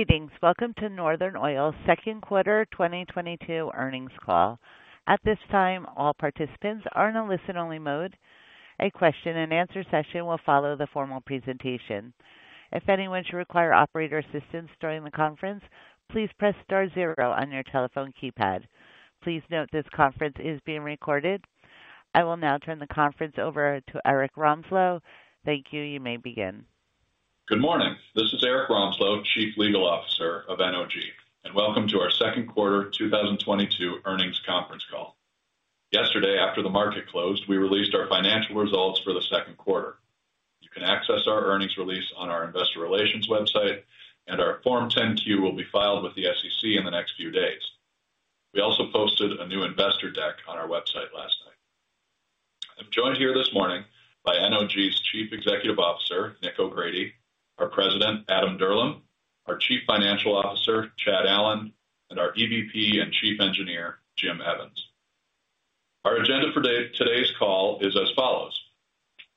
Greetings. Welcome to Northern Oil and Gas's second quarter 2022 earnings call. At this time, all participants are in a listen-only mode. A question-and-answer session will follow the formal presentation. If anyone should require operator assistance during the conference, please press star zero on your telephone keypad. Please note this conference is being recorded. I will now turn the conference over to Erik Romslo. Thank you. You may begin. Good morning. This is Erik Romslo, Chief Legal Officer of NOG, and welcome to our second quarter 2022 earnings conference call. Yesterday, after the market closed, we released our financial results for the second quarter. You can access our earnings release on our investor relations website, and our Form 10-Q will be filed with the SEC in the next few days. We also posted a new investor deck on our website last night. I'm joined here this morning by NOG's Chief Executive Officer, Nick O'Grady, our President, Adam Dirlam, our Chief Financial Officer, Chad Allen, and our EVP and Chief Engineer, Jim Evans. Our agenda for today's call is as follows.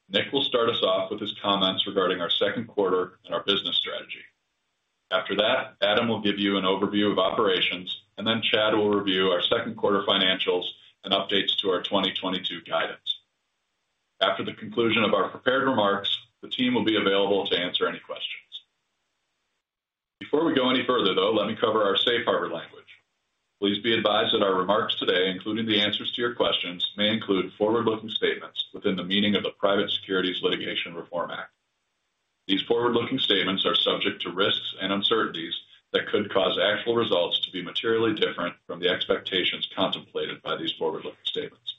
Nick will start us off with his comments regarding our second quarter and our business strategy. After that, Adam will give you an overview of operations, and then Chad will review our second quarter financials and updates to our 2022 guidance. After the conclusion of our prepared remarks, the team will be available to answer any questions. Before we go any further, though, let me cover our safe harbor language. Please be advised that our remarks today, including the answers to your questions, may include forward-looking statements within the meaning of the Private Securities Litigation Reform Act. These forward-looking statements are subject to risks and uncertainties that could cause actual results to be materially different from the expectations contemplated by these forward-looking statements.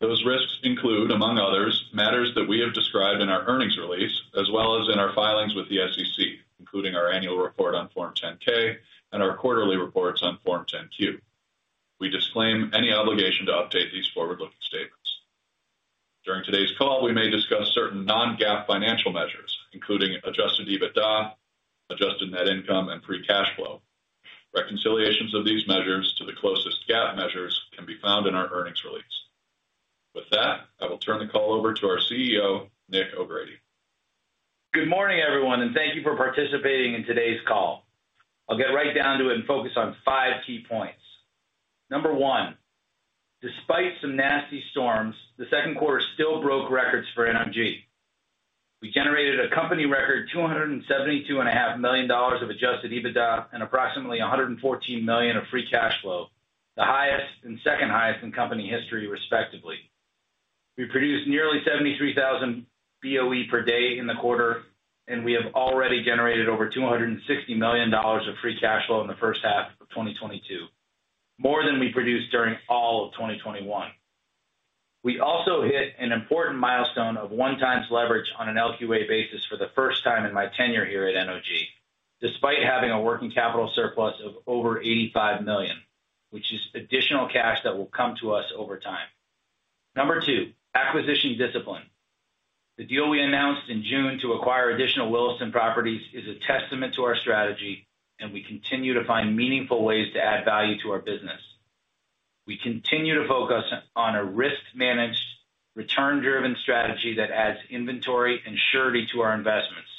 Those risks include, among others, matters that we have described in our earnings release as well as in our filings with the SEC, including our annual report on Form 10-K and our quarterly reports on Form 10-Q. We disclaim any obligation to update these forward-looking statements. During today's call, we may discuss certain non-GAAP financial measures, including Adjusted EBITDA, Adjusted Net Income, and free cash flow. Reconciliations of these measures to the closest GAAP measures can be found in our earnings release. With that, I will turn the call over to our CEO, Nick O'Grady. Good morning, everyone, and thank you for participating in today's call. I'll get right down to it and focus on five key points. Number one, despite some nasty storms, the second quarter still broke records for NOG. We generated a company record $272.5 million of adjusted EBITDA and approximately $114 million of free cash flow, the highest and second highest in company history, respectively. We produced nearly 73,000 BOE per day in the quarter, and we have already generated over $260 million of free cash flow in the first half of 2022, more than we produced during all of 2021. We also hit an important milestone of 1x leverage on an LQA basis for the first time in my tenure here at NOG, despite having a working capital surplus of over $85 million, which is additional cash that will come to us over time. Number two, acquisition discipline. The deal we announced in June to acquire additional Williston properties is a testament to our strategy, and we continue to find meaningful ways to add value to our business. We continue to focus on a risk-managed, return-driven strategy that adds inventory and surety to our investments,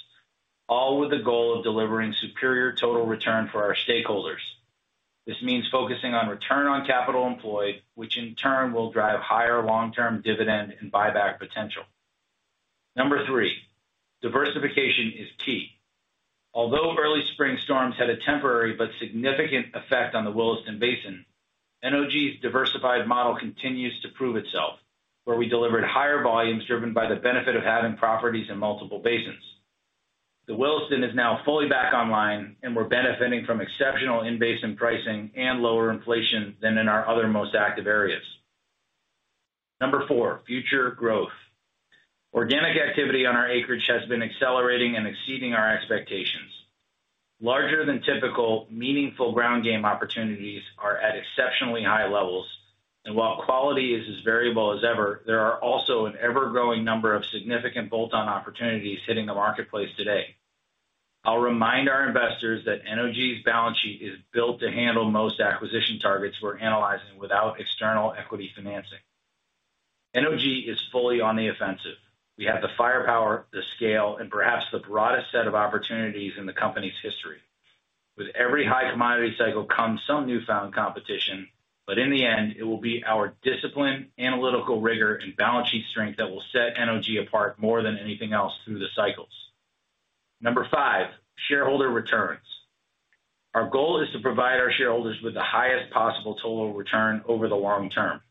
all with the goal of delivering superior total return for our stakeholders. This means focusing on return on capital employed, which in turn will drive higher long-term dividend and buyback potential. Number three, diversification is key. Although early spring storms had a temporary but significant effect on the Williston Basin, NOG's diversified model continues to prove itself, where we delivered higher volumes driven by the benefit of having properties in multiple basins. The Williston is now fully back online, and we're benefiting from exceptional in-basin pricing and lower inflation than in our other most active areas. Number four, future growth. Organic activity on our acreage has been accelerating and exceeding our expectations. Larger than typical, meaningful ground game opportunities are at exceptionally high levels. While quality is as variable as ever, there are also an ever-growing number of significant bolt-on opportunities hitting the marketplace today. I'll remind our investors that NOG's balance sheet is built to handle most acquisition targets we're analyzing without external equity financing. NOG is fully on the offensive. We have the firepower, the scale, and perhaps the broadest set of opportunities in the company's history. With every high commodity cycle comes some newfound competition, but in the end, it will be our discipline, analytical rigor, and balance sheet strength that will set NOG apart more than anything else through the cycles. Number five, shareholder returns. Our goal is to provide our shareholders with the highest possible total return over the long term.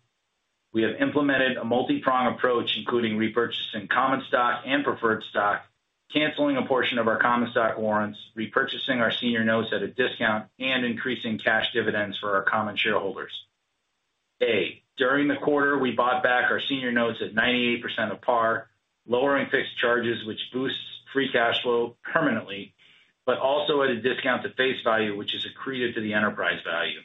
We have implemented a multi-pronged approach, including repurchasing common stock and preferred stock, canceling a portion of our common stock warrants, repurchasing our senior notes at a discount, and increasing cash dividends for our common shareholders. During the quarter, we bought back our senior notes at 98% of par, lowering fixed charges, which boosts free cash flow permanently, but also at a discount to face value, which is accreted to the enterprise value.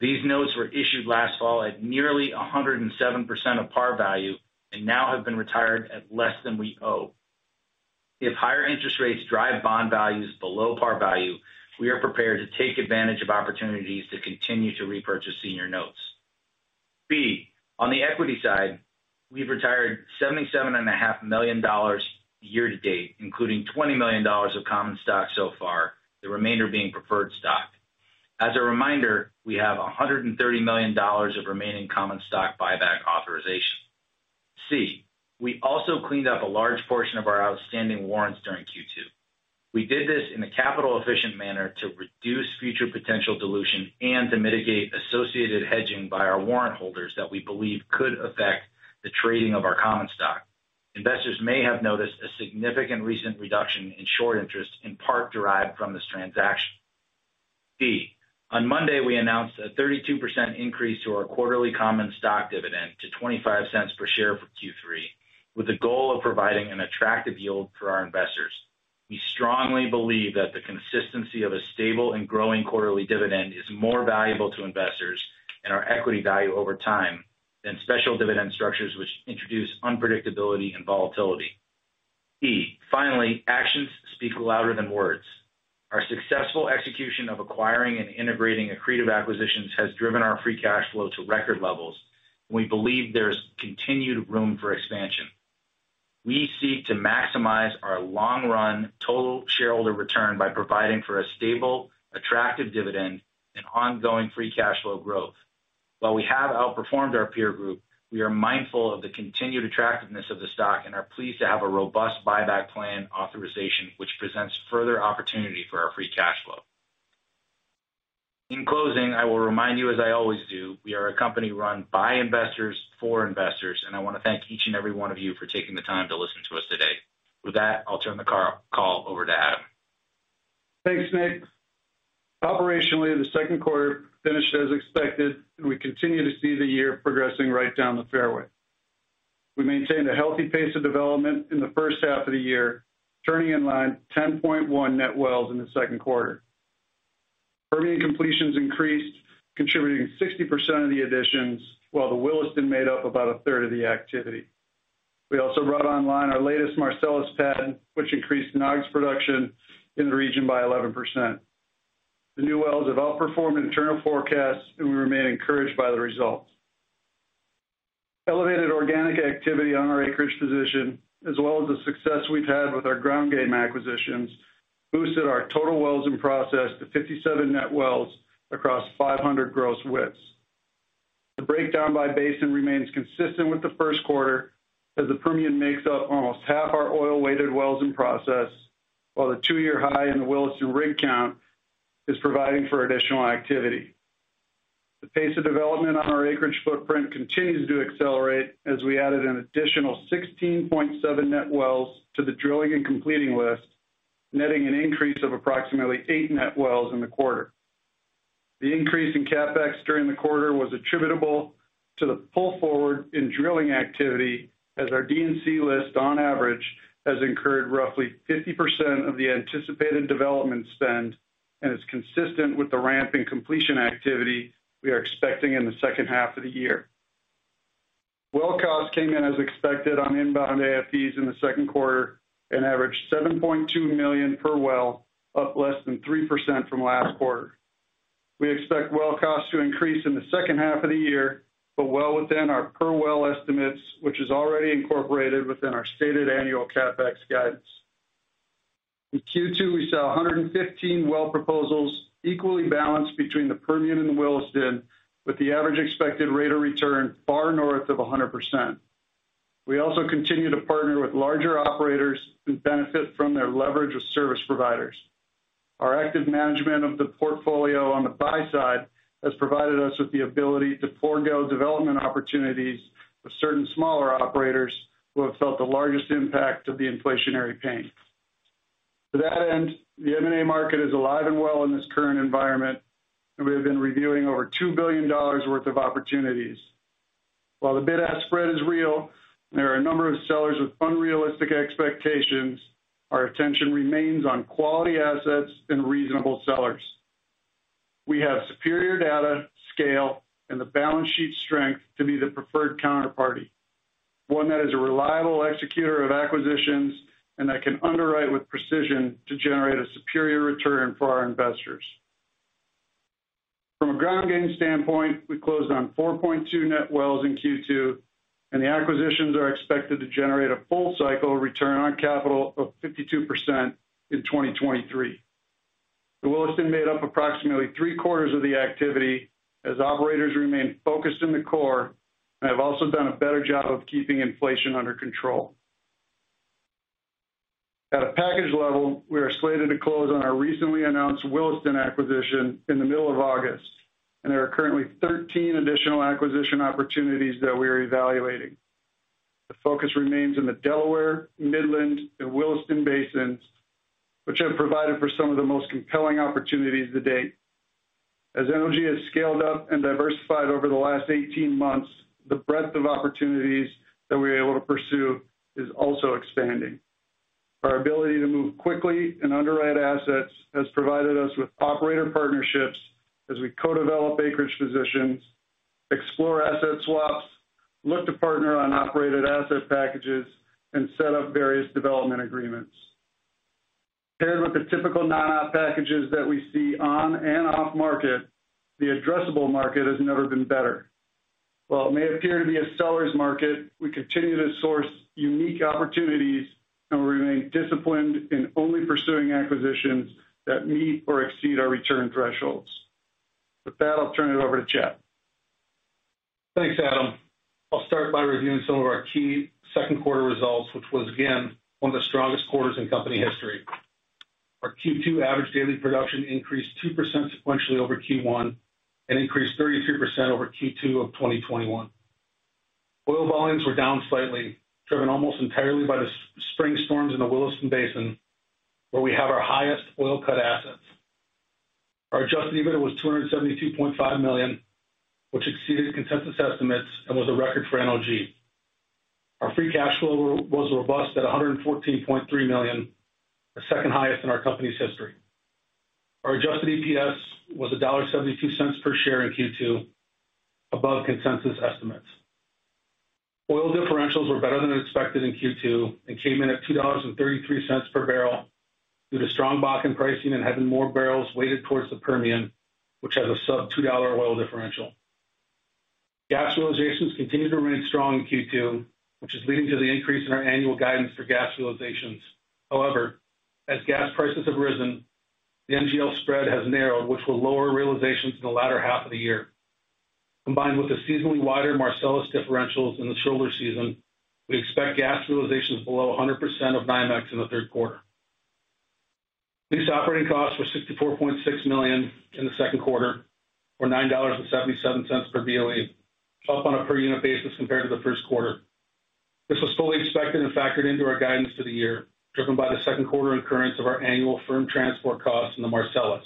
These notes were issued last fall at nearly 107% of par value and now have been retired at less than we owe. If higher interest rates drive bond values below par value, we are prepared to take advantage of opportunities to continue to repurchase senior notes. B, on the equity side, we've retired $77.5 million year to date, including $20 million of common stock so far, the remainder being preferred stock. As a reminder, we have $130 million of remaining common stock buyback authorization. C, we also cleaned up a large portion of our outstanding warrants during Q2. We did this in a capital efficient manner to reduce future potential dilution and to mitigate associated hedging by our warrant holders that we believe could affect the trading of our common stock. Investors may have noticed a significant recent reduction in short interest in part derived from this transaction. D, on Monday, we announced a 32% increase to our quarterly common stock dividend to $0.25 per share for Q3, with the goal of providing an attractive yield for our investors. We strongly believe that the consistency of a stable and growing quarterly dividend is more valuable to investors and our equity value over time than special dividend structures, which introduce unpredictability and volatility. E, finally, actions speak louder than words. Our successful execution of acquiring and integrating accretive acquisitions has driven our free cash flow to record levels. We believe there is continued room for expansion. We seek to maximize our long run total shareholder return by providing for a stable, attractive dividend and ongoing free cash flow growth. While we have outperformed our peer group, we are mindful of the continued attractiveness of the stock and are pleased to have a robust buyback plan authorization, which presents further opportunity for our free cash flow. In closing, I will remind you, as I always do, we are a company run by investors for investors, and I want to thank each and every one of you for taking the time to listen to us today. With that, I'll turn the call over to Adam. Thanks, Nick. Operationally, the second quarter finished as expected, and we continue to see the year progressing right down the fairway. We maintained a healthy pace of development in the first half of the year, turning in line 10.1 net wells in the second quarter. Permian completions increased, contributing 60% of the additions, while the Williston made up about a third of the activity. We also brought online our latest Marcellus pad, which increased NOG's production in the region by 11%. The new wells have outperformed internal forecasts, and we remain encouraged by the results. Elevated organic activity on our acreage position, as well as the success we've had with our ground game acquisitions, boosted our total wells in process to 57 net wells across 500 gross wells. The breakdown by basin remains consistent with the first quarter, as the Permian makes up almost half our oil-weighted wells in process, while the two-year high in the Williston rig count is providing for additional activity. The pace of development on our acreage footprint continues to accelerate as we added an additional 16.7 net wells to the drilling and completing list, netting an increase of approximately 8 net wells in the quarter. The increase in CapEx during the quarter was attributable to the pull forward in drilling activity as our D&C list on average, has incurred roughly 50% of the anticipated development spend and is consistent with the ramp in completion activity we are expecting in the second half of the year. Well costs came in as expected on inbound AFEs in the second quarter and averaged $7.2 million per well, up less than 3% from last quarter. We expect well costs to increase in the second half of the year, but well within our per well estimates, which is already incorporated within our stated annual CapEx guidance. In Q2, we saw 115 well proposals equally balanced between the Permian and the Williston, with the average expected rate of return far north of 100%. We also continue to partner with larger operators who benefit from their leverage with service providers. Our active management of the portfolio on the buy side has provided us with the ability to forgo development opportunities with certain smaller operators who have felt the largest impact of the inflationary pain. To that end, the M&A market is alive and well in this current environment, and we have been reviewing over $2 billion worth of opportunities. While the bid-ask spread is real, there are a number of sellers with unrealistic expectations. Our attention remains on quality assets and reasonable sellers. We have superior data, scale, and the balance sheet strength to be the preferred counterparty, one that is a reliable executor of acquisitions and that can underwrite with precision to generate a superior return for our investors. From a ground game standpoint, we closed on 4.2 net wells in Q2, and the acquisitions are expected to generate a full cycle return on capital of 52% in 2023. The Williston made up approximately three-quarters of the activity as operators remain focused in the core and have also done a better job of keeping inflation under control. At a package level, we are slated to close on our recently announced Williston acquisition in the middle of August, and there are currently 13 additional acquisition opportunities that we are evaluating. The focus remains in the Delaware, Midland, and Williston basins, which have provided for some of the most compelling opportunities to date. As NOG has scaled up and diversified over the last 18 months, the breadth of opportunities that we're able to pursue is also expanding. Our ability to move quickly and underwrite assets has provided us with operator partnerships as we co-develop acreage positions, explore asset swaps, look to partner on operated asset packages, and set up various development agreements. Paired with the typical non-op packages that we see on and off market, the addressable market has never been better. While it may appear to be a seller's market, we continue to source unique opportunities, and we remain disciplined in only pursuing acquisitions that meet or exceed our return thresholds. With that, I'll turn it over to Chad Allen. Thanks, Adam. I'll start by reviewing some of our key second quarter results, which was again one of the strongest quarters in company history. Our Q2 average daily production increased 2% sequentially over Q1 and increased 33% over Q2 of 2021. Oil volumes were down slightly, driven almost entirely by the spring storms in the Williston Basin, where we have our highest oil cut assets. Our adjusted EBITDA was $272.5 million, which exceeded consensus estimates and was a record for NOG. Our free cash flow was robust at $114.3 million, the second highest in our company's history. Our adjusted EPS was $1.72 per share in Q2, above consensus estimates. Oil differentials were better than expected in Q2 and came in at $2.33 per barrel due to strong Bakken pricing and having more barrels weighted towards the Permian, which has a sub $2 oil differential. Gas realizations continued to remain strong in Q2, which is leading to the increase in our annual guidance for gas realizations. However, as gas prices have risen, the NGL spread has narrowed, which will lower realizations in the latter half of the year. Combined with the seasonally wider Marcellus differentials in the shoulder season, we expect gas realizations below 100% of NYMEX in the third quarter. These operating costs were $64.6 million in the second quarter or $9.77 per BOE, up on a per unit basis compared to the first quarter. This was fully expected and factored into our guidance for the year, driven by the second quarter incurrence of our annual firm transport costs in the Marcellus.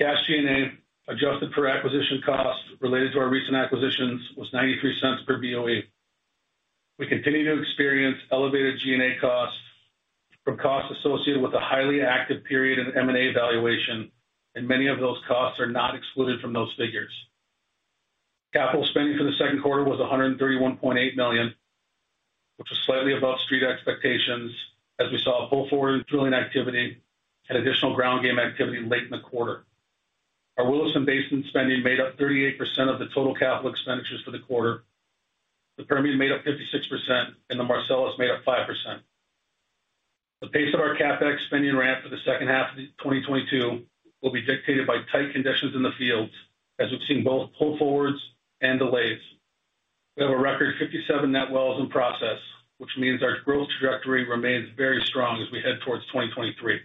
Gas G&A, adjusted for acquisition costs related to our recent acquisitions, was $0.93 per BOE. We continue to experience elevated G&A costs from costs associated with the highly active period in M&A valuation, and many of those costs are not excluded from those figures. Capital spending for the second quarter was $131.8 million, which was slightly above street expectations as we saw pull-forward drilling activity and additional ground game activity late in the quarter. Our Williston Basin spending made up 38% of the total capital expenditures for the quarter. The Permian made up 56% and the Marcellus made up 5%. The pace of our CapEx spending ramp for the second half of 2022 will be dictated by tight conditions in the fields, as we've seen both pull forwards and delays. We have a record 57 net wells in process, which means our growth trajectory remains very strong as we head towards 2023.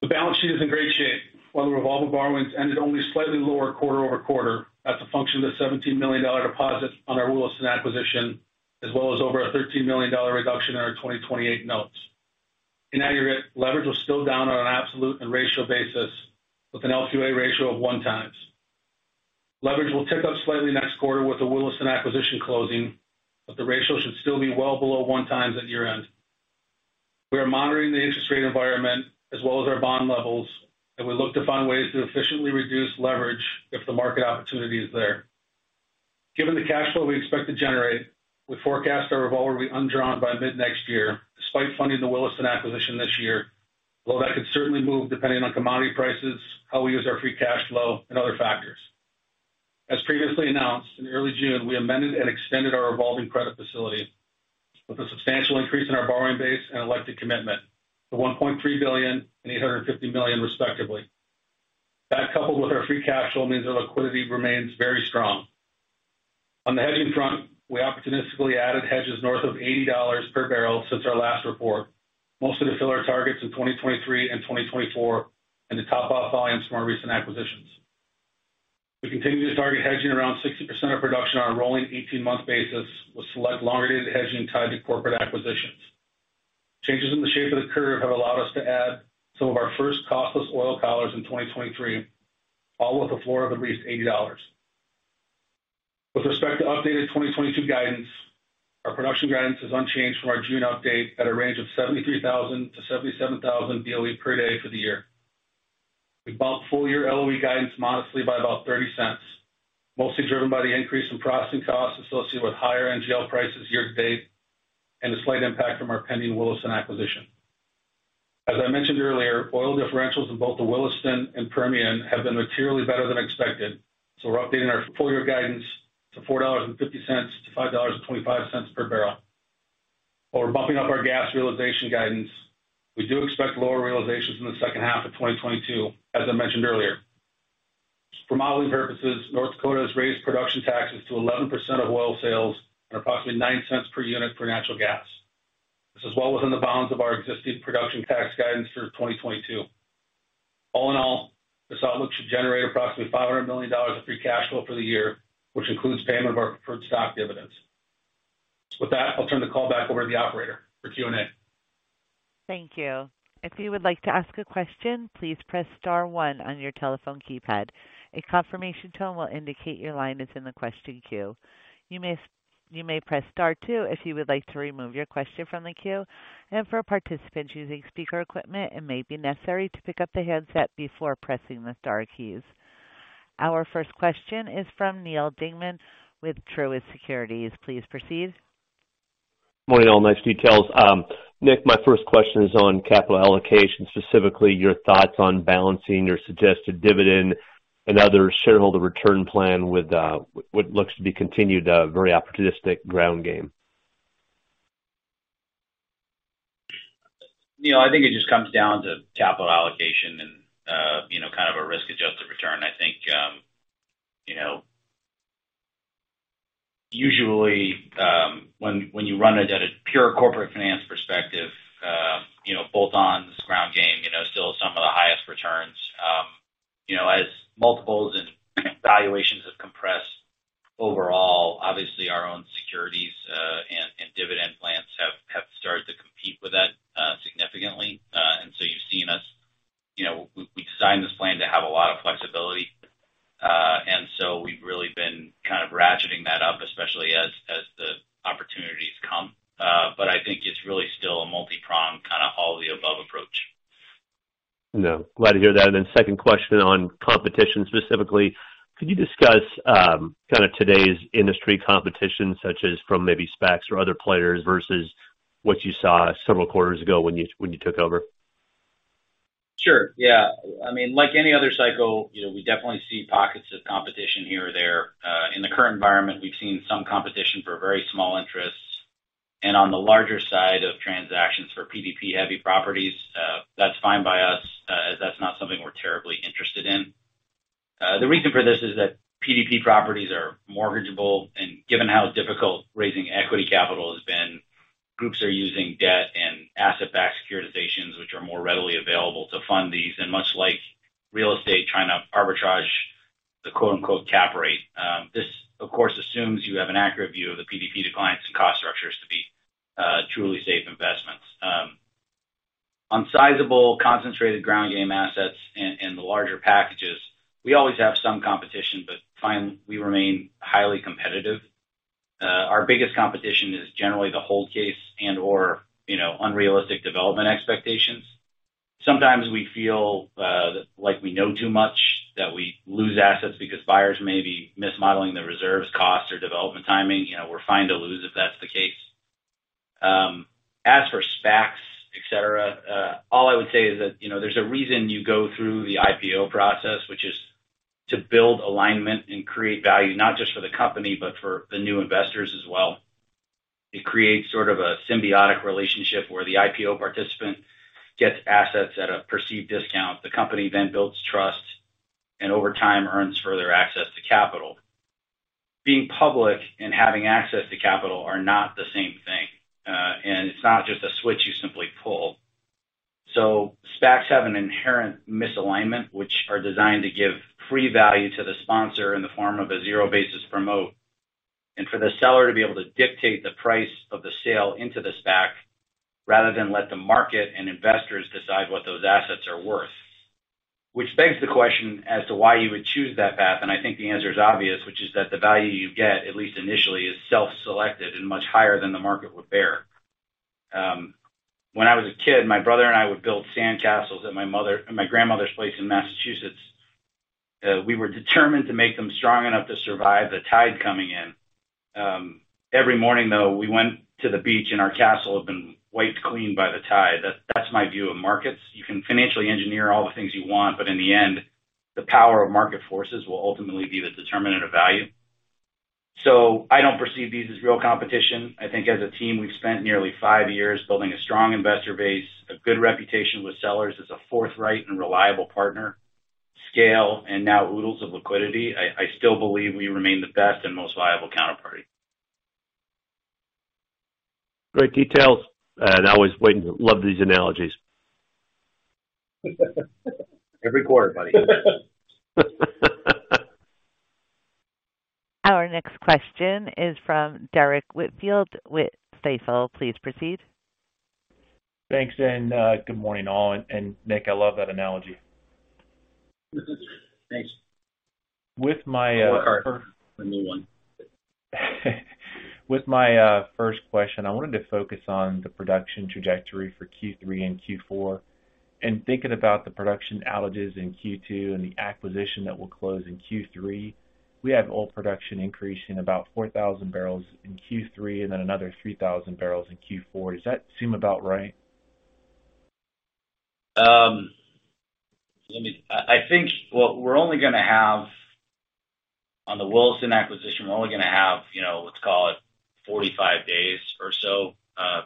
The balance sheet is in great shape. While the revolving borrowings ended only slightly lower quarter-over-quarter as a function of the $17 million deposit on our Williston acquisition, as well as over a $13 million reduction in our 2028 notes. In aggregate, leverage was still down on an absolute and ratio basis with an LQA ratio of 1x. Leverage will tick up slightly next quarter with the Williston acquisition closing, but the ratio should still be well below 1x at year-end. We are monitoring the interest rate environment as well as our bond levels, and we look to find ways to efficiently reduce leverage if the market opportunity is there. Given the cash flow we expect to generate, we forecast our revolver will be undrawn by mid-next year, despite funding the Williston acquisition this year, although that could certainly move depending on commodity prices, how we use our free cash flow and other factors. As previously announced, in early June, we amended and extended our revolving credit facility with a substantial increase in our borrowing base and elected commitment to $1.3 billion and $850 million, respectively. That, coupled with our free cash flow, means our liquidity remains very strong. On the hedging front, we opportunistically added hedges north of $80 per barrel since our last report, mostly to fill our targets in 2023 and 2024 and to top off volumes from our recent acquisitions. We continue to target hedging around 60% of production on a rolling 18-month basis with select longer-dated hedging tied to corporate acquisitions. Changes in the shape of the curve have allowed us to add some of our first costless oil collars in 2023, all with a floor of at least $80. With respect to updated 2022 guidance, our production guidance is unchanged from our June update at a range of 73,000-77,000 BOE per day for the year. We bumped full year LOE guidance modestly by about $0.30, mostly driven by the increase in processing costs associated with higher NGL prices year to date and a slight impact from our pending Williston acquisition. As I mentioned earlier, oil differentials in both the Williston and Permian have been materially better than expected, so we're updating our full year guidance to $4.50-$5.25 per barrel. While we're bumping up our gas realization guidance, we do expect lower realizations in the second half of 2022, as I mentioned earlier. For modeling purposes, North Dakota has raised production taxes to 11% of oil sales and approximately $0.09 per unit for natural gas. This is well within the bounds of our existing production tax guidance through 2022. All in all, this outlook should generate approximately $500 million of free cash flow for the year, which includes payment of our preferred stock dividends. With that, I'll turn the call back over to the operator for Q&A. Thank you. If you would like to ask a question, please press star one on your telephone keypad. A confirmation tone will indicate your line is in the question queue. You may press star two if you would like to remove your question from the queue. For participants using speaker equipment, it may be necessary to pick up the handset before pressing the star keys. Our first question is from Neal Dingmann with Truist Securities. Please proceed. Morning, all. Nice details. Nick, my first question is on capital allocation, specifically your thoughts on balancing your suggested dividend and other shareholder return plan with what looks to be continued very opportunistic ground game? Neil, I think it just comes down to capital allocation and, you know, kind of a risk-adjusted return. I think, you know, usually, when you run it at a pure corporate finance perspective, you know, bolt-ons, ground game, you know, still some of the highest returns. You know, as multiples and valuations have compressed overall, obviously our own securities and dividend plans have started to compete with that significantly. And so you've seen us, you know, we designed this plan to have a lot of flexibility. And so we've really been kind of ratcheting that up, especially as the opportunities come. But I think it's really still a multi-pronged kind of all-of-the-above approach. No, glad to hear that. Second question on competition. Specifically, could you discuss, kind of today's industry competition, such as from maybe SPACs or other players versus what you saw several quarters ago when you took over? Sure. Yeah. I mean, like any other cycle, you know, we definitely see pockets of competition here or there. In the current environment, we've seen some competition for very small interests. On the larger side of transactions for PDP-heavy properties, that's fine by us, as that's not something we're terribly interested in. The reason for this is that PDP properties are mortgageable, and given how difficult raising equity capital has been, groups are using debt and asset-backed securitizations, which are more readily available to fund these, and much like real estate, trying to arbitrage the quote-unquote "cap rate." This, of course, assumes you have an accurate view of the PDP declines and cost structures to be truly safe investments. On sizable concentrated ground game assets and the larger packages, we always have some competition, but find we remain highly competitive. Our biggest competition is generally the hold case and/or, you know, unrealistic development expectations. Sometimes we feel like we know too much that we lose assets because buyers may be mismodeling the reserves cost or development timing. You know, we're fine to lose if that's the case. As for SPACs, et cetera, all I would say is that, you know, there's a reason you go through the IPO process, which is to build alignment and create value, not just for the company, but for the new investors as well. It creates sort of a symbiotic relationship where the IPO participant gets assets at a perceived discount. The company then builds trust and over time earns further access to capital. Being public and having access to capital are not the same thing. It's not just a switch you simply pull. SPACs have an inherent misalignment, which are designed to give free value to the sponsor in the form of a zero-basis promote. For the seller to be able to dictate the price of the sale into the SPAC, rather than let the market and investors decide what those assets are worth. Which begs the question as to why you would choose that path, and I think the answer is obvious, which is that the value you get, at least initially, is self-selected and much higher than the market would bear. When I was a kid, my brother and I would build sandcastles at my grandmother's place in Massachusetts. We were determined to make them strong enough to survive the tide coming in. Every morning, though, we went to the beach and our castle had been wiped clean by the tide. That's my view of markets. You can financially engineer all the things you want, but in the end, the power of market forces will ultimately be the determinant of value. I don't perceive these as real competition. I think as a team, we've spent nearly five years building a strong investor base, a good reputation with sellers as a forthright and reliable partner, scale, and now oodles of liquidity. I still believe we remain the best and most viable counterparty. Great details. I always love these analogies. Every quarter, buddy. Our next question is from Derrick Whitfield with Stifel. Please proceed. Thanks, and good morning, all. Nick, I love that analogy. Thanks. With my a new one. With my first question, I wanted to focus on the production trajectory for Q3 and Q4. In thinking about the production outages in Q2 and the acquisition that will close in Q3, we have oil production increasing about 4,000 barrels in Q3 and then another 3,000 barrels in Q4. Does that seem about right? I think what we're only gonna have on the Williston acquisition, you know, let's call it 45 days or so,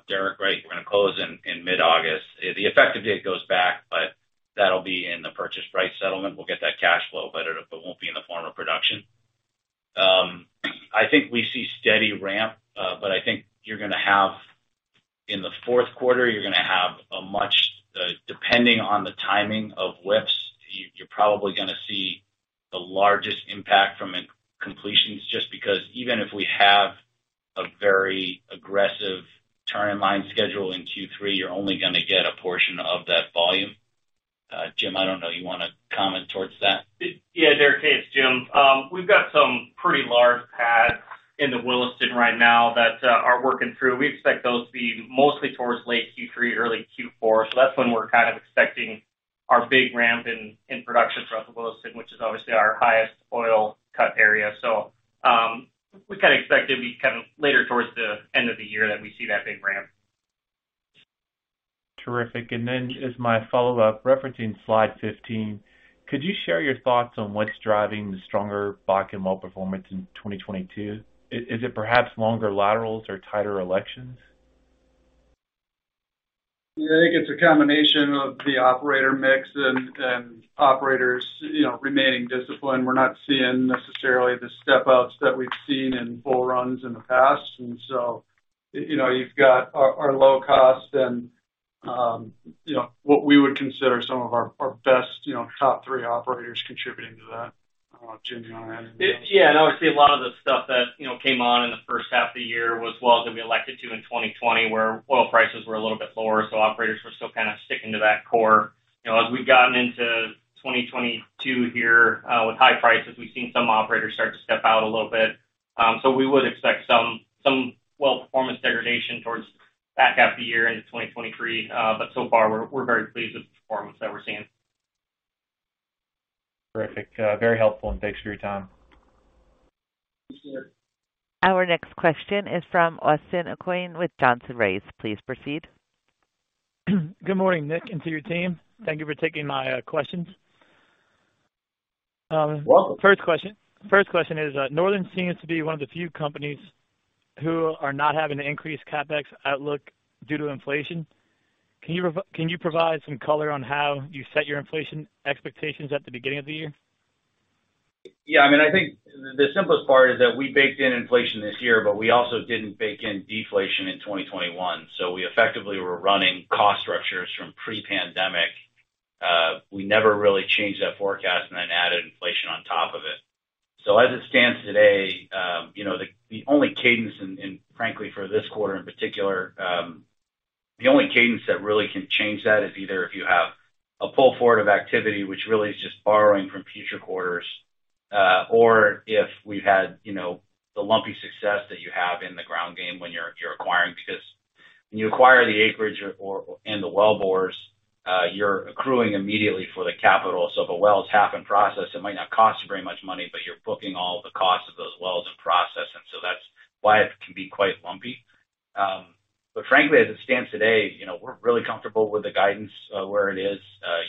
Derrick, right? We're gonna close in mid-August. The effective date goes back, but that'll be in the purchase price settlement. We'll get that cash flow, but it won't be in the form of production. I think we see steady ramp, but I think you're gonna have. In the fourth quarter, you're gonna have a much, depending on the timing of WIPs, you're probably gonna see the largest impact from completions, just because even if we have a very aggressive turn in line schedule in Q3, you're only gonna get a portion of that volume. James, I don't know, you wanna comment towards that? Yeah, Derrick, hey, it's Jim. We've got some pretty large the Williston right now that are working through. We expect those to be mostly towards late Q3, early Q4. That's when we're kind of expecting our big ramp in production throughout the Williston, which is obviously our highest oil cut area. We kind of expect it be kind of later towards the end of the year that we see that big ramp. Terrific. As my follow-up, referencing slide 15, could you share your thoughts on what's driving the stronger Bakken well performance in 2022? Is it perhaps longer laterals or tighter spacing? I think it's a combination of the operator mix and operators, you know, remaining disciplined. We're not seeing necessarily the step-ups that we've seen in full runs in the past. You know, you've got our low cost and, you know, what we would consider some of our best, you know, top three operators contributing to that. I don't know, Jim, you wanna add anything else? Yeah, obviously a lot of the stuff that, you know, came on in the first half of the year was wells that we elected to in 2020, where oil prices were a little bit lower, so operators were still kind of sticking to that core. You know, as we've gotten into 2022 here, with high prices, we've seen some operators start to step out a little bit. We would expect some well performance degradation towards back half of the year into 2023. So far, we're very pleased with the performance that we're seeing. Terrific. Very helpful, and thanks for your time. Our next question is from Austin Aucoin with Johnson Rice. Please proceed. Good morning, Nick, and to your team. Thank you for taking my questions. Well- First question is, Northern seems to be one of the few companies who are not having an increased CapEx outlook due to inflation. Can you provide some color on how you set your inflation expectations at the beginning of the year? Yeah. I mean, I think the simplest part is that we baked in inflation this year, but we also didn't bake in deflation in 2021. We effectively were running cost structures from pre-pandemic. We never really changed that forecast and then added inflation on top of it. As it stands today, the only cadence frankly, for this quarter in particular, that really can change that is either if you have a pull forward of activity which really is just borrowing from future quarters, or if we've had, you know, the lumpy success that you have in the ground game when you're acquiring. Because when you acquire the acreage and the wellbores, you're accruing immediately for the capital. If a well is tapped and processed, it might not cost you very much money, but you're booking all the costs of those wells and processing. That's why it can be quite lumpy. Frankly, as it stands today, you know, we're really comfortable with the guidance where it is.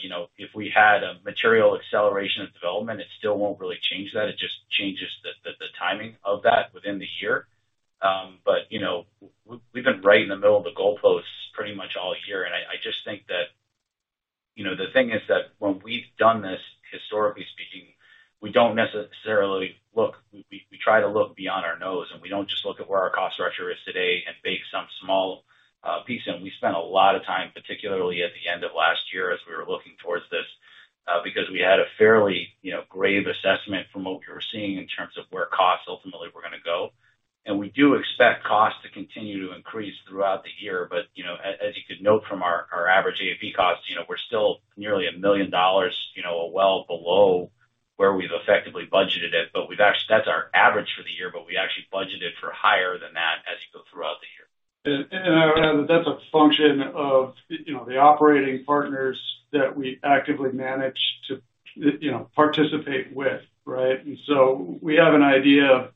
You know, if we had a material acceleration of development, it still won't really change that. It just changes the timing of that within the year. You know, we've been right in the middle of the goalposts pretty much all year. I just think that, you know, the thing is that when we've done this, historically speaking, we don't necessarily look. We try to look beyond our nose, and we don't just look at where our cost structure is today and bake some small piece in. We spent a lot of time, particularly at the end of last year as we were looking towards this, because we had a fairly, you know, grave assessment from what we were seeing in terms of where costs ultimately were gonna go. We do expect costs to continue to increase throughout the year. You know, as you could note from our average AFE cost, you know, we're still nearly $1 million, you know, well below where we've effectively budgeted it. That's our average for the year, but we actually budgeted for higher than that as you go throughout the year. That's a function of, you know, the operating partners that we actively manage to, you know, participate with, right? So we have an idea of,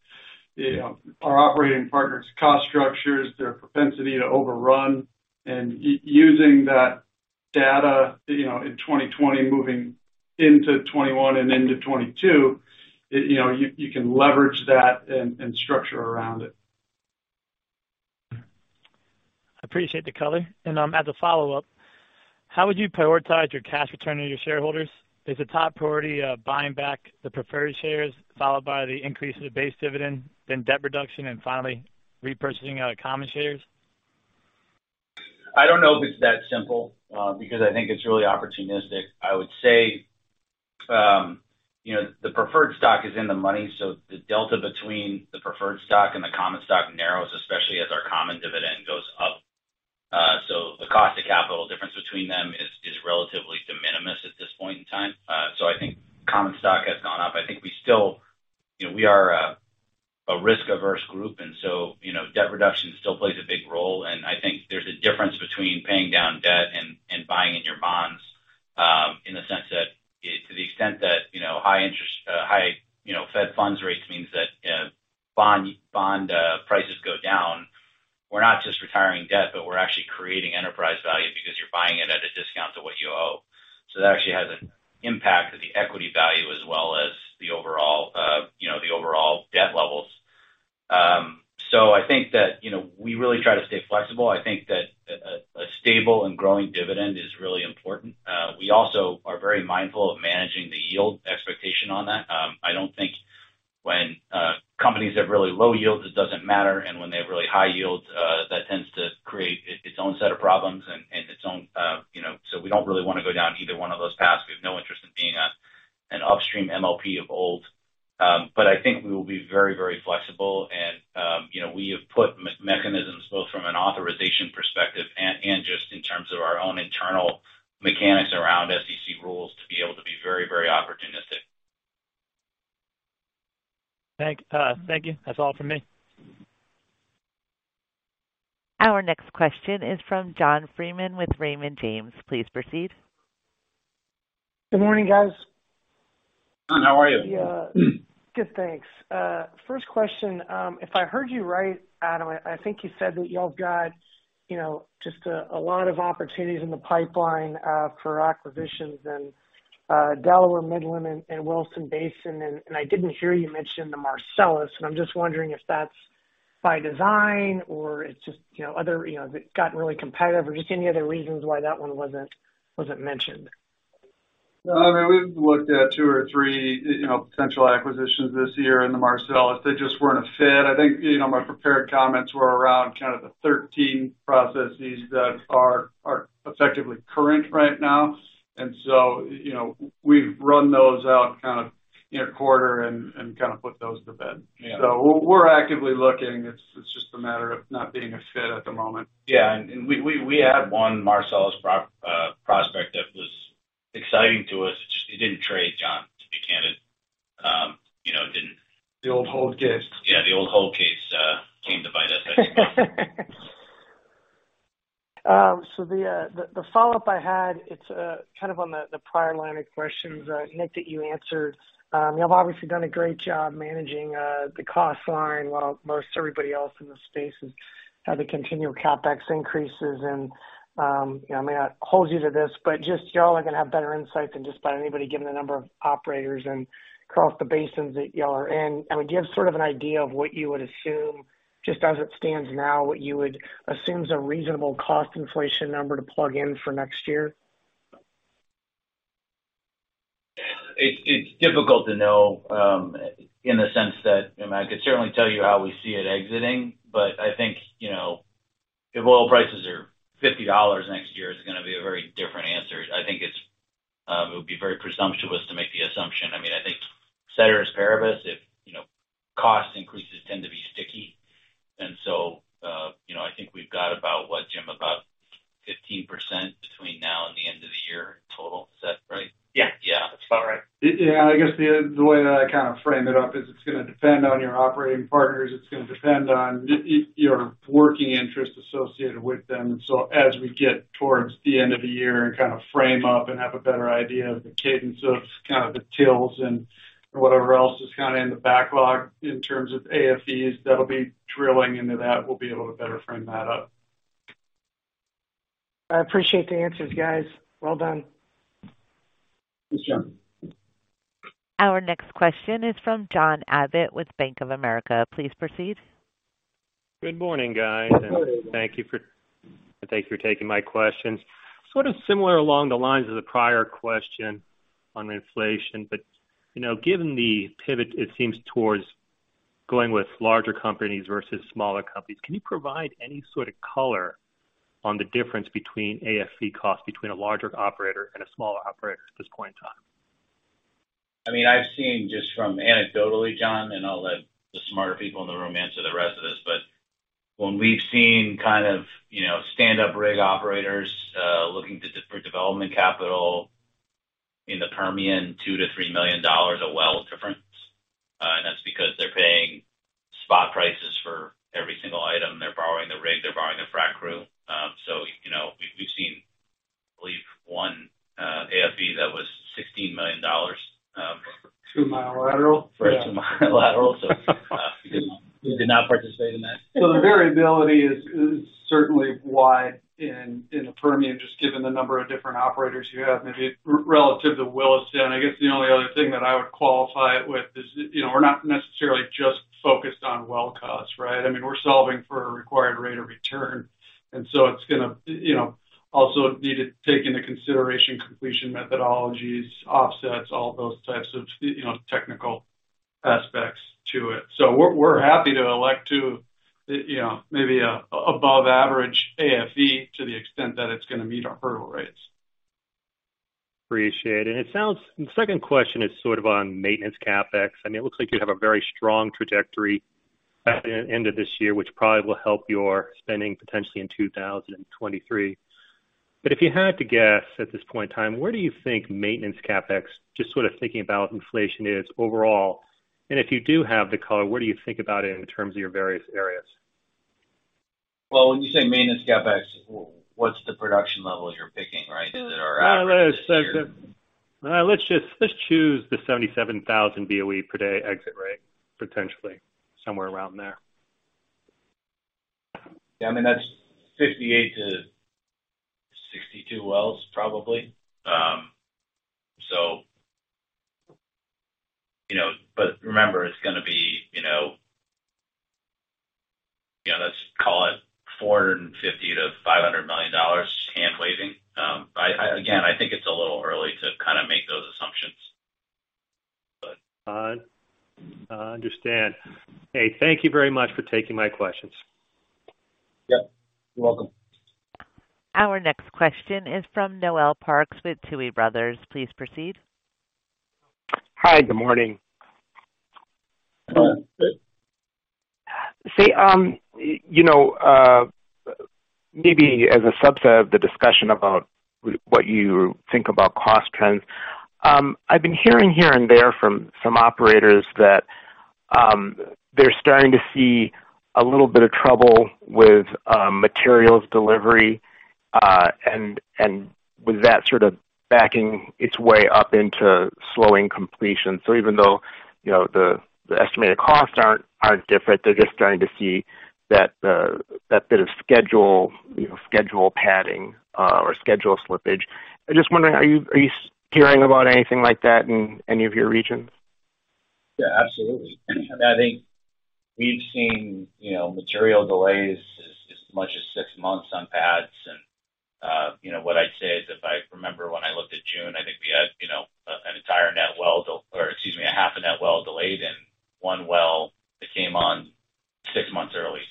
you know, our operating partners' cost structures, their propensity to overrun. Using that data, you know, in 2020 moving into 2021 and into 2022, you know, you can leverage that and structure around it. I appreciate the color. As a follow-up, how would you prioritize your cash return to your shareholders? Is the top priority buying back the preferred shares, followed by the increase in the base dividend, then debt reduction, and finally repurchasing common shares? I don't know if it's that simple, because I think it's really opportunistic. I would say, you know, the preferred stock is in the money, so the delta between the preferred stock and the common stock narrows, especially as our common dividend goes up. The cost of capital difference between them is relatively de minimis at this point in time. I think common stock has gone up. I think we still you know, we are a risk-averse group, and so, you know, debt reduction still plays a big role. I think there's a difference between paying down debt and Our next question is from John Freeman with Raymond James. Please proceed. Good morning, guys. John, how are you? Yeah. Good, thanks. First question. If I heard you right, Adam, I think you said that y'all have got, you know, just a lot of opportunities in the pipeline for acquisitions in Delaware, Midland, and Williston Basin. I didn't hear you mention the Marcellus. I'm just wondering if that's by design or it's just, you know, other, you know, it got really competitive or just any other reasons why that one wasn't mentioned. No, I mean, we've looked at two or three, you know, potential acquisitions this year in the Marcellus. They just weren't a fit. I think, you know, my prepared comments were around kind of the 13 processes that are effectively current right now. You know, we've run those out kind of in a quarter and kind of put those to bed. Yeah. We're actively looking. It's just a matter of not being a fit at the moment. Yeah. We had one Marcellus prospect that was exciting to us. It just didn't trade, John, to be candid. You know, it didn't. The old hold case. Yeah, the old hold case came to bite us, I think, John. The follow-up I had, it's kind of on the prior line of questions, Nick, that you answered. You have obviously done a great job managing the cost line while most everybody else in this space has had the continual CapEx increases. You know, I may not hold you to this, but just y'all are gonna have better insights than just about anybody, given the number of operators and across the basins that y'all are in. I mean, give sort of an idea of what you would assume, just as it stands now, what you would assume is a reasonable cost inflation number to plug in for next year. It's difficult to know in the sense that. You know, I could certainly tell you how we see it exiting, but I think, you know, if oil prices are $50 next year, it's gonna be a very different answer. I think it's. It would be very presumptuous to make the assumption. I mean, I think ceteris paribus if, you know, cost increases tend to be sticky. You know, I think we've got about, what, Jim? About 15% between now and the end of the year total. Is that right? Yeah. Yeah. That's about right. Yeah, I guess the way that I kind of frame it up is it's gonna depend on your operating partners. It's gonna depend on your working interest associated with them. As we get towards the end of the year and kind of frame up and have a better idea of the cadence of kind of the wells and whatever else is kinda in the backlog in terms of AFEs that'll be drilling into that, we'll be able to better frame that up. I appreciate the answers, guys. Well done. Thanks, John. Our next question is from John Abbott with Bank of America. Please proceed. Good morning, guys. Good morning. Thank you for taking my questions. Sort of similar along the lines of the prior question on inflation. You know, given the pivot, it seems towards going with larger companies versus smaller companies, can you provide any sort of color on the difference between AFE costs between a larger operator and a smaller operator at this point in time? I mean, I've seen just anecdotally, John, and I'll let the smarter people in the room answer the rest of this, but when we've seen kind of, you know, start-up rig operators looking for development capital in the Permian, $2-$3 million a well difference. That's because they're paying spot prices for every single item. They're borrowing the rig. They're borrowing the frack crew. You know, we've seen, I believe, one AFE that was $16 million. 2 mile lateral. For a 2-mile lateral. We did not. We did not participate in that. The variability is certainly wide in the Permian, just given the number of different operators you have. Maybe relative to Williston, I guess the only other thing that I would qualify it with is, you know, we're not necessarily just focused on well costs, right? I mean, we're solving for a required rate of return. It's gonna, you know, also need to take into consideration completion methodologies, offsets, all of those types of, you know, technical aspects to it. We're happy to elect to, you know, maybe above average AFE to the extent that it's gonna meet our hurdle rates. Appreciate it. The second question is sort of on maintenance CapEx. I mean, it looks like you have a very strong trajectory at the end of this year, which probably will help your spending potentially in 2023. If you had to guess at this point in time, where do you think maintenance CapEx, just sort of thinking about inflation, is overall? If you do have the color, where do you think about it in terms of your various areas? Well, when you say maintenance CapEx, what's the production level you're picking, right, that are out there this year? Let's just choose the 77,000 BOE per day exit rate, potentially somewhere around there. Yeah, I mean, that's 58-62 wells probably. You know, but remember, it's gonna be, you know. Yeah, let's call it $450 million-$500 million hand-waving. I again think it's a little early to kinda make those assumptions, but. I understand. Hey, thank you very much for taking my questions. Yep, you're welcome. Our next question is from Noel Parks with Tuohy Brothers. Please proceed. Hi, good morning. Good. Say, you know, maybe as a subset of the discussion about what you think about cost trends. I've been hearing here and there from some operators that they're starting to see a little bit of trouble with materials delivery, and with that sort of backing its way up into slowing completion. Even though, you know, the estimated costs aren't different, they're just starting to see that bit of schedule, you know, schedule padding, or schedule slippage. I'm just wondering, are you hearing about anything like that in any of your regions? Yeah, absolutely. I think we've seen, you know, material delays as much as six months on pads. You know, what I'd say is, if I remember when I looked at June, I think we had, you know, an entire net well, or excuse me, a half a net well delayed and one well that came on six months early.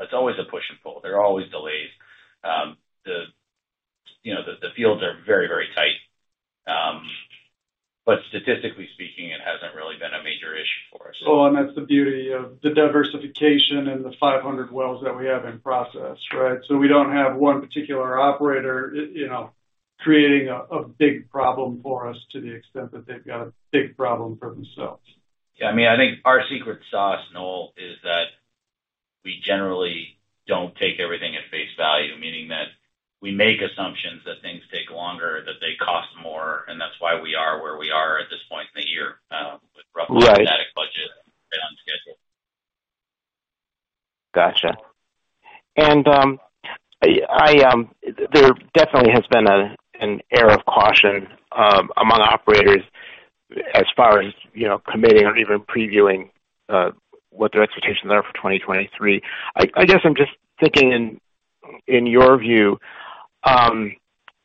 It's always a push and pull. There are always delays. You know, the fields are very, very tight. But statistically speaking, it hasn't really been a major issue for us. Well, that's the beauty of the diversification and the 500 wells that we have in process, right? We don't have one particular operator, you know, creating a big problem for us to the extent that they've got a big problem for themselves. Yeah, I mean, I think our secret sauce, Noel, is that we generally don't take everything at face value, meaning that we make assumptions that things take longer, that they cost more, and that's why we are where we are at this point in the year, with roughly. Right. Static budget and on schedule. Gotcha. There definitely has been an air of caution among operators as far as, you know, committing or even previewing what their expectations are for 2023. I guess I'm just thinking in your view,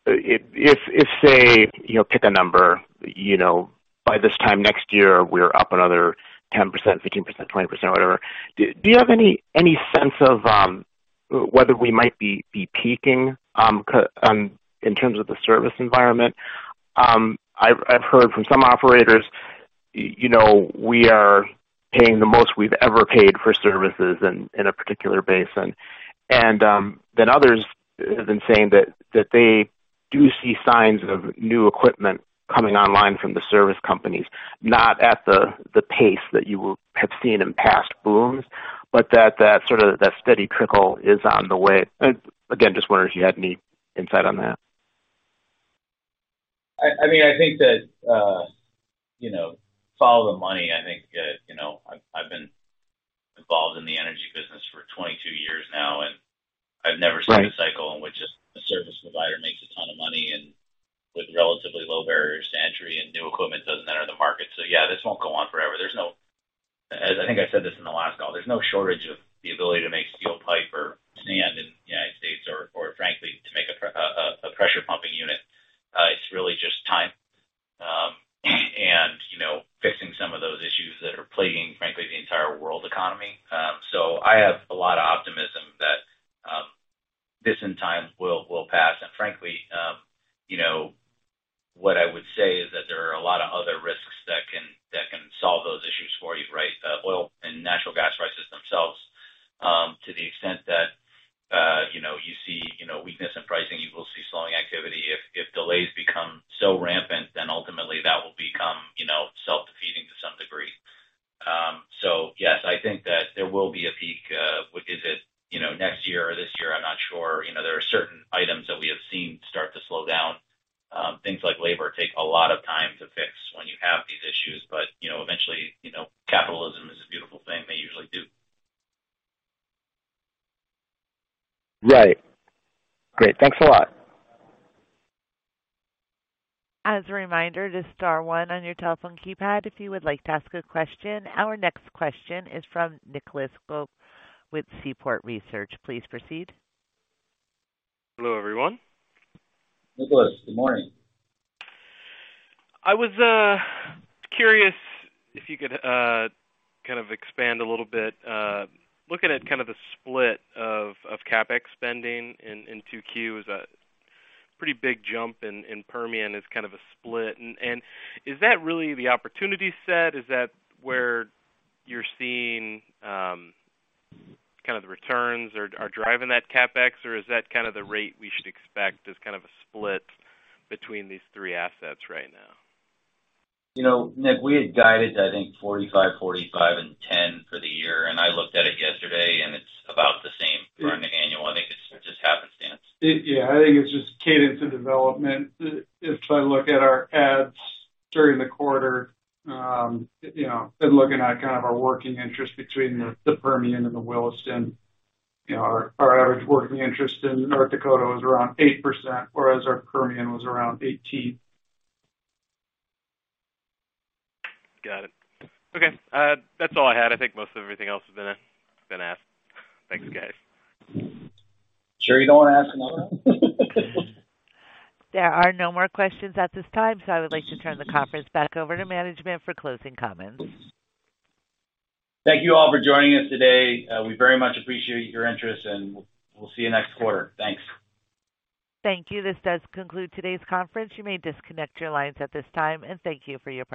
if say, you know, pick a number, you know, by this time next year, we're up another 10%, 15%, 20%, whatever. Do you have any sense of whether we might be peaking in terms of the service environment? I've heard from some operators, you know, we are paying the most we've ever paid for services in a particular basin. Others have been saying that they do see signs of new equipment coming online from the service companies, not at the pace that you have seen in past booms, but that sort of steady trickle is on the way. Again, just wondering if you had any insight on that. I mean, I think that, you know, follow the money. I think, you know, I've been involved in the energy business for 22 years now, and I've never seen. Right. A cycle in which a service provider makes a ton of money and with relatively low barriers to entry and new equipment doesn't enter the market. Yeah, this won't go on forever. As I think I said this in the last call, there's no shortage of the ability to make steel pipe or sand in the United States or frankly to make a pressure pumping unit. It's really just time and you know fixing some of those issues that are plaguing frankly the entire world economy. I have a lot of optimism that this in time will pass. Frankly you know what I would say is that there are a lot of other risks that can solve those issues for you, right? Oil and natural gas prices themselves, to the extent that, you know, you see, you know, weakness in pricing, you will see slowing activity. If delays become so rampant, then ultimately that will become, you know, self-defeating to some degree. So yes, I think that there will be a peak. Which is it? You know, next year or this year, I'm not sure. You know, there are certain items that we have seen start to slow down. Things like labor take a lot of time to fix when you have these issues, but, you know, eventually, you know, capitalism is a beautiful thing, they usually do. Right. Great. Thanks a lot. As a reminder, just star one on your telephone keypad if you would like to ask a question. Our next question is from Nicholas Pope with Seaport Research Partners. Please proceed. Hello, everyone. Nicholas, good morning. I was curious if you could kind of expand a little bit, looking at kind of the split of CapEx spending in 2Q is a pretty big jump in Permian is kind of a split. Is that really the opportunity set? Is that where you're seeing kind of the returns are driving that CapEx, or is that kind of the rate we should expect as kind of a split between these three assets right now? You know, Nick, we had guided, I think, 45 and 10 for the year. I looked at it yesterday, and it's about the same for our model. I think it's just happenstance. Yeah, I think it's just cadence and development. If I look at our AFEs during the quarter, you know, and looking at kind of our working interest between the Permian and the Williston, you know, our average working interest in North Dakota was around 8%, whereas our Permian was around 18%. Got it. Okay, that's all I had. I think most of everything else has been asked. Thanks, guys. Sure you don't wanna ask another one? There are no more questions at this time, so I would like to turn the conference back over to management for closing comments. Thank you all for joining us today. We very much appreciate your interest, and we'll see you next quarter. Thanks. Thank you. This does conclude today's conference. You may disconnect your lines at this time, and thank you for your participation.